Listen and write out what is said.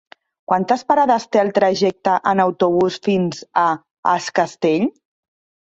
Quantes parades té el trajecte en autobús fins a Es Castell?